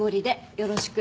よろしく。